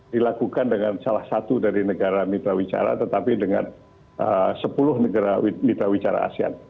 dilakukan dengan salah satu dari negara mitra wicara tetapi dengan sepuluh negara mitra wicara asean